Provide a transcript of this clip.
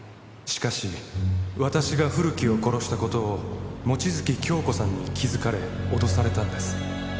「しかし私が古木を殺した事を望月京子さんに気づかれ脅されたんです」